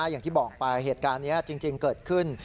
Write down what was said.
อย่างที่บอกไปเหตุการณ์นี้จริงเกิดขึ้น